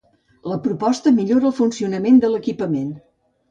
La proposta millora el funcionament de l'equipament.